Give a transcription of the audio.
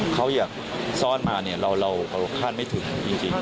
เขาอยากซ่อนมาเนี่ยเราคาดไม่ถึงจริง